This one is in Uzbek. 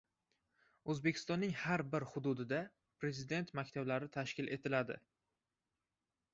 O‘zbekistonning har bir hududida Prezident maktablari tashkil etiladi